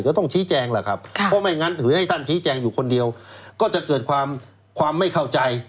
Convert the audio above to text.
ก็ต้องชี้แจงแหละครับเพราะไม่งั้นถือให้ท่านชี้แจงอยู่คนเดียวก็จะเกิดความความไม่เข้าใจ